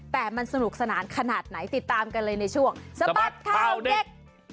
แต่มันสนุกสนานขนาดไหนติดตามกันเลยในช่วงสะบัดข่าวเด็ก